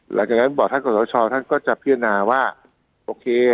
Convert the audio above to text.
หลังจากนั้นบอกท่านกศชท่านก็จะพิจารณาว่าโอเค